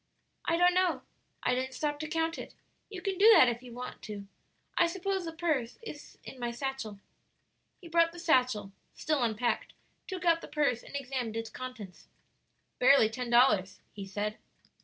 "I don't know. I didn't stop to count it. You can do that, if you want to. I suppose the purse is in my satchel." He brought the satchel still unpacked took out the purse and examined its contents. "Barely ten dollars," he said.